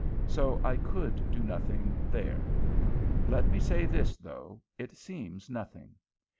So I could do nothing there. Let me say this, though it seems nothing.